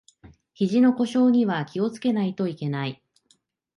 ひじの故障には気をつけないといけない